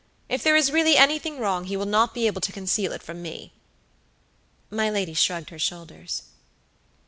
If there is really anything wrong, he will not be able to conceal it from me." My lady shrugged her shoulders.